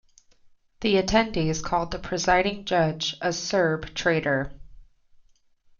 The attendees called the presiding judge a "Serb traitor".